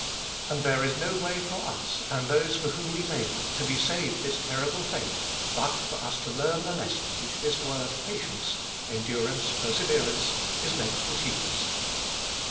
And there is no way for us, and those for whom 480 abe iboliest of Stl we labour, to be saved this terrible fate but for us to learn the lesson which this word Patience (endurance,1 perseverance), is meant to teach us.